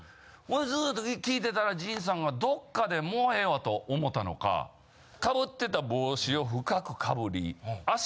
ほんでずっと聞いてたら陣さんがどっかでもうええわと思ったのか被ってた。